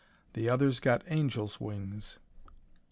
The others got angels' wings."